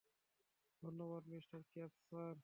ধন্যবাদ, মিস্টার কেপ, স্যার।